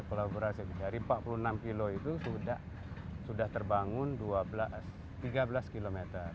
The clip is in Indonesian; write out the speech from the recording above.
kolaborasi dari empat puluh enam kilo itu sudah terbangun tiga belas km